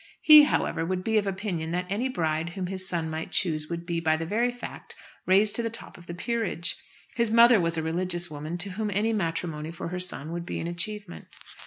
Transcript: He, however, would be of opinion that any bride whom his son might choose would be, by the very fact, raised to the top of the peerage. His mother was a religious woman, to whom any matrimony for her son would be an achievement.